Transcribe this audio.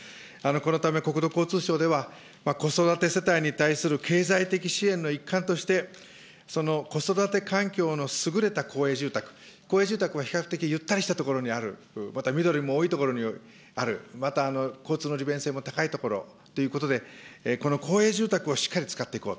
このため、国土交通省では、子育て世帯に対する経済的支援の一環として、その子育て環境の優れた公営住宅、公営住宅は比較的ゆったりした所にある、また緑も多い所にある、また交通の利便性も高いところということで、この公営住宅をしっかり使っていこう。